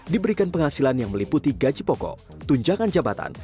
diberikan penghasilan yang meliputi gaji pokok tunjangan jabatan